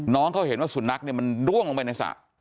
น้องเขาเห็นว่าสุนัขเนี่ยมันร่วงลงไปในสระ